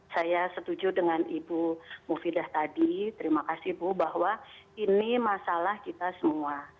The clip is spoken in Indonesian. saya setuju dengan ibu mufidah tadi terima kasih ibu bahwa ini masalah kita semua